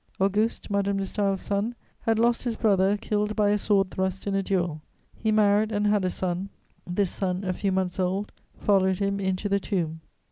Auguste, Madame de Staël's son, had lost his brother killed by a sword thrust in a duel; he married and had a son: this son, a few months old, followed him into the tomb.